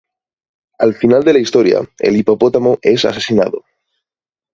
Al final de la historia el hipopótamo es asesinado.